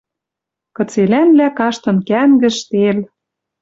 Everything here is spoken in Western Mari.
Кыцелӓнлӓ каштын кӓнгӹж, тел